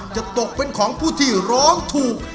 ตกเป็นของผู้ที่ร้องถูก